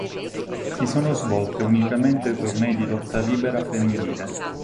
Si sono svolte unicamente tornei di lotta libera femminile.